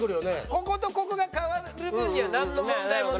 こことここが変わる分にはなんの問題もない。